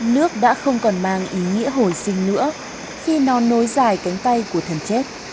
nước đã không còn mang ý nghĩa hồi sinh nữa khi nó nối dài cánh tay của thần chết